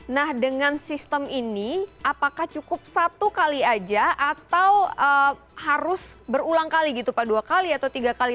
nah dengan sistem ini apakah cukup satu kali aja atau harus berulang kali gitu pak dua kali atau tiga kali